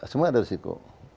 semua ada risiko